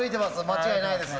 間違いないです。